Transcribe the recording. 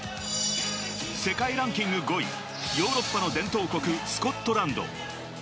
世界ランキング５位、ヨーロッパの伝統国スコットランド。